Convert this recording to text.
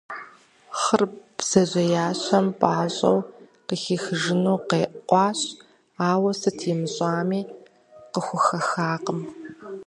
Хъыр бдзэжьеящэм пӏащӏэу къыхихыжыну къекъуащ, ауэ сыт имыщӏами, къыхухэхакъым.